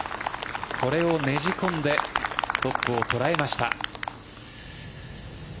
これをねじ込んでトップを捉えました。